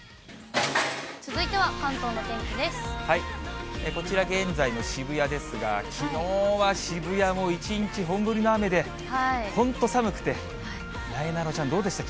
続いては、こちら、現在の渋谷ですが、きのうは渋谷も一日本降りの雨で、本当、寒くて、なえなのちゃん、どうでした？